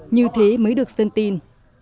như thế mới được dân tin